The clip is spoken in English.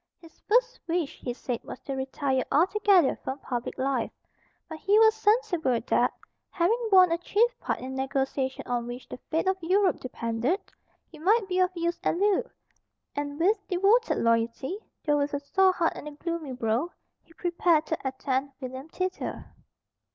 His first wish, he said, was to retire altogether from public life. But he was sensible that, having borne a chief part in the negotiation on which the fate of Europe depended, he might be of use at Loo; and, with devoted loyalty, though with a sore heart and a gloomy brow, he prepared to attend William thither.